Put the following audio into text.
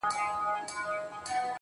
له غرونو واوښتم، خو وږي نس ته ودرېدم ~